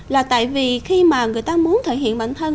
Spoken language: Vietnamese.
là tại vì khi mà người ta muốn thể hiện bản thân